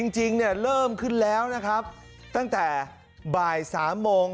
จริงเนี่ยเริ่มขึ้นแล้วนะครับตั้งแต่บ่าย๓โมง